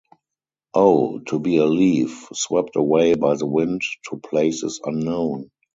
Oh, to be a leaf, swept away by the wind to places unknown!